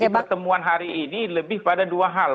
jadi pertemuan hari ini lebih pada dua hal